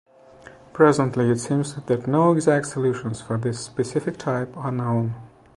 Presently, it seems that no exact solutions for this specific type are known.